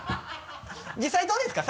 実際どうですか？